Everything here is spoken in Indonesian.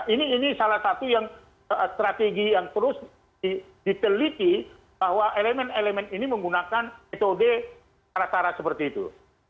ini salah satu yang strategi yang terus diteliti bahwa elemen elemen ini menggunakan metode cara cara seperti itu